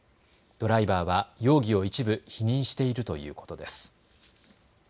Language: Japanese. ドライバーは容疑を一部否認しているということです。